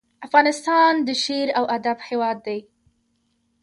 افغانستان د شعر او ادب هیواد دی